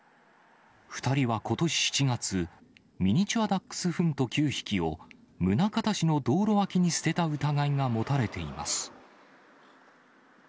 ２人はことし７月、ミニチュアダックスフント９匹を、宗像市の道路脇に捨てた疑いが持たれています。